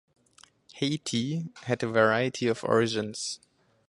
Heiti had a variety of origins.